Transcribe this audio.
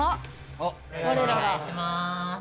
お願いします。